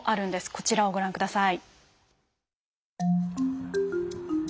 こちらをご覧ください。